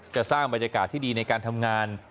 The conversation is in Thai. จะสร้างบรรยากาศที่ดีในการทำงาน